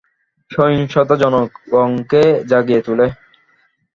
সহিংসতা জনগণকে জাগিয়ে তোলে।